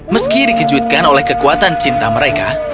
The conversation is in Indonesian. meski dikejutkan oleh kekuatan cinta mereka